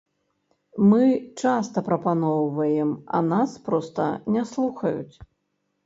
Мы часта прапаноўваем, а нас проста не слухаюць.